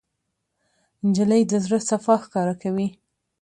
نجلۍ د زړه صفا ښکاره کوي.